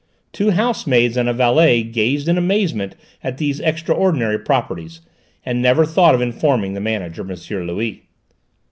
Two housemaids and a valet gazed in amazement at these extraordinary properties, and never thought of informing the manager, M. Louis.